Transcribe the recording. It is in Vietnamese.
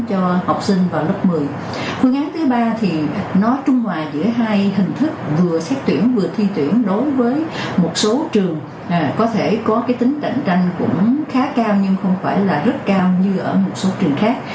phương án thứ ba thì nó trung hòa giữa hai hình thức vừa xét tuyển vừa thi tuyển đối với một số trường có thể có cái tính cạnh tranh cũng khá cao nhưng không phải là rất cao như ở một số trường khác